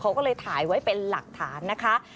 เขาก็เลยถ่ายไว้เป็นหลักฐานนะคะ